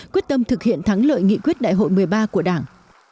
quyết tâm thực hiện thắng lợi nghị quyết đại hội một mươi ba của đảng